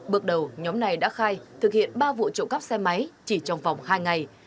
bước đầu nhóm này đã khai thực hiện ba vụ trộm cắp xe máy chỉ trong vòng hai ngày